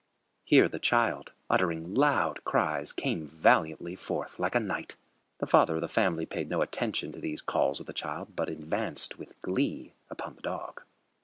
Here the child, uttering loud cries, came valiantly forth like a knight. The father of the family paid no attention to these calls of the child, but advanced with glee upon the dog.